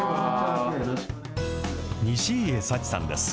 西家佐知さんです。